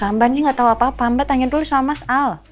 mbak ini nggak tau apa apa mbak tanya dulu sama mas al